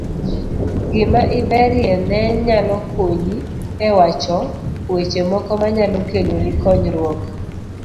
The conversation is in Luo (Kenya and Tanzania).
Gima iberie no nyalo konyi e wacho weche moko manyalo keloni konyruok.